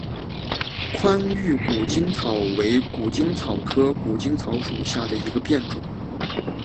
宽玉谷精草为谷精草科谷精草属下的一个变种。